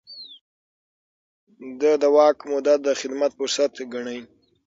ده د واک موده د خدمت فرصت ګاڼه.